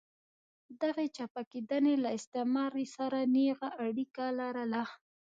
دغې چپه کېدنې له استعمار سره نېغه اړیکه لرله.